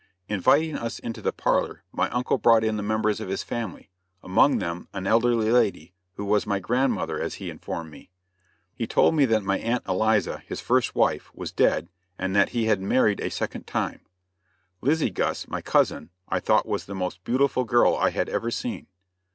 Inviting us into the parlor, my uncle brought in the members of his family, among them an elderly lady, who was my grandmother, as he informed me. He told me that my Aunt Eliza, his first wife, was dead, and that he had married a second time; Lizzie Guss, my cousin, I thought was the most beautiful girl I had ever seen.